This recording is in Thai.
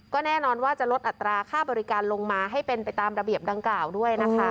ก็แน่นอนว่าจะลดอัตราค่าบริการลงมาให้เป็นไปตามระเบียบดังกล่าวด้วยนะคะ